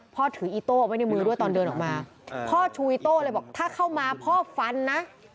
ถืออีโต้ไว้ในมือด้วยตอนเดินออกมาพ่อชูอิโต้เลยบอกถ้าเข้ามาพ่อฟันนะ